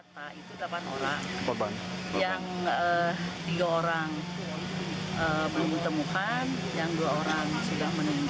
tiga orang belum ditemukan yang dua orang sudah meninggal